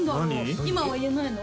今は言えないの？